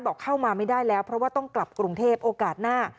เข้ามาไม่ได้แล้วเพราะว่าต้องกลับกรุงเทพโอกาสหน้า